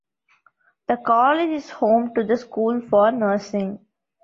The college is home to the School for Nursing.